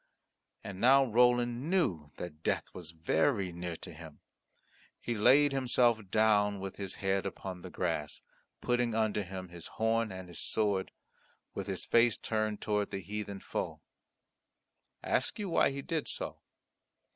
And now Roland knew that death was very near to him. He laid himself down with his head upon the grass putting under him his horn and his sword, with his face turned towards the heathen foe. Ask you why he did so?